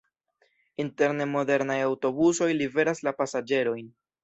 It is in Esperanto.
Interne modernaj aŭtobusoj liveras la pasaĝerojn.